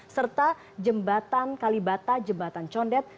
serta jembatan kalibata jembatan condet